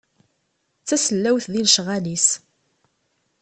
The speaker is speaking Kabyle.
D tasellawt di lecɣal-is.